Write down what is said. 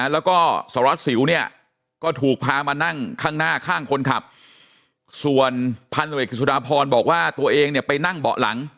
แล้วก็สารวัสสิวเนี่ยก็ถูกพามานั่งข้างหน้าข้างคนขับส่วนพันธุรกิจกิจสุดาพรบอกว่าตัวเองเนี่ยไปนั่งเบาะหลัง